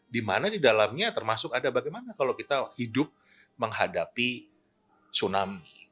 di mana di dalamnya termasuk ada bagaimana kalau kita hidup menghadapi tsunami